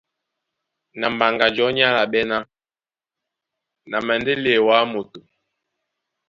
Na Mbaŋganjɔ̌ ní álaɓɛ́ ná : Na mɛndɛ́ léɛ wǎ moto.